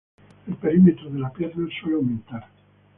El perímetro de la pierna suele aumentar.